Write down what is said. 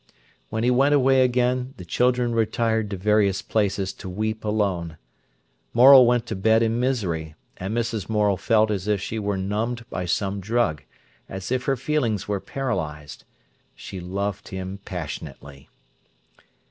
When he went away again the children retired to various places to weep alone. Morel went to bed in misery, and Mrs. Morel felt as if she were numbed by some drug, as if her feelings were paralysed. She loved him passionately.